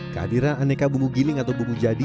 kehadiran aneka bumbu giling atau bumbu jadi